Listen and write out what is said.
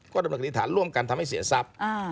ก็ร่วมกันทำให้เสียทรัพย์